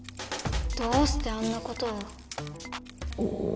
どうしてあんなことを。